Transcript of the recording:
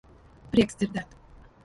Prieks dzirdēt.